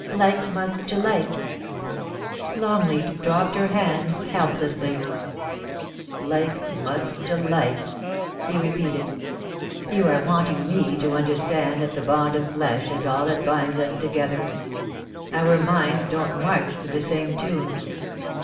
Like must to Uke ' Longleat dropped her hands helplessly. * Like must to likcy he repeated. * You are wanting me to understand that the bond of flesh is all that binds us to gether. Our minds don't march to the same tune.